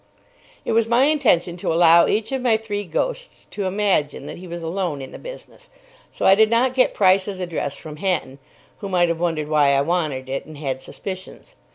It was my intention to allow each of my three ghosts to imagine that he was alone in the business; so I did not get Price's address from Hatton, who might have wondered why I wanted it, and had suspicions.